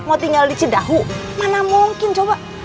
mau tinggal di cedahu mana mungkin coba